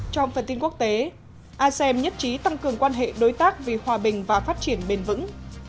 trong phần tin quốc tế asem nhất trí tăng cường quan hệ đối tác vì hòa bình và phát triển bền vững